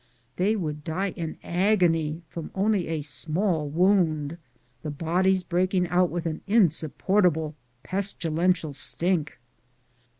They would die in agony from only a small wound, the bodies break ing out with an insupportable pestilential stink.